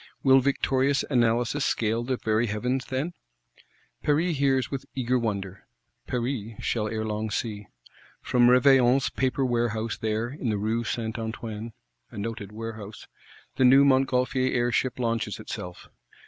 Will victorious Analysis scale the very Heavens, then? Paris hears with eager wonder; Paris shall ere long see. From Reveilion's Paper warehouse there, in the Rue St. Antoine (a noted Warehouse),—the new Montgolfier air ship launches itself.